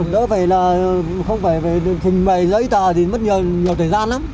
nó phải là không phải phải thình bày giấy tờ thì mất nhiều thời gian lắm